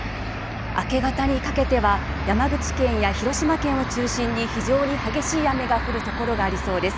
明け方にかけては山口県や広島県を中心に非常に激しい雨が降る所がありそうです。